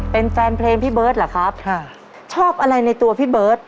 เป็นแฟนเพลงพี่เบิร์ตเหรอครับค่ะชอบอะไรในตัวพี่เบิร์ต